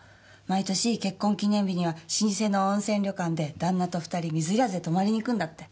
毎年結婚記念日には老舗の温泉旅館で旦那と２人水入らずで泊まりに行くんだって。